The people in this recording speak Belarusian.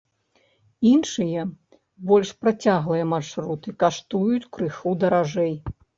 Іншыя, больш працяглыя маршруты каштуюць крыху даражэй.